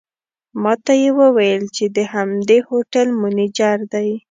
ماته یې وویل چې د همدې هوټل منیجر دی.